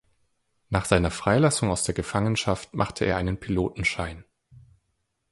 Nach seiner Freilassung aus der Gefangenschaft machte er einen Pilotenschein.